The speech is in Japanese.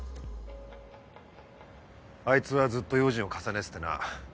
あいつはずっと用心を重ねててな。